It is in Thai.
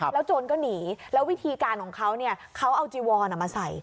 โจรก็หนีแล้ววิธีการของเขาเขาเอาจีวอนมาใส่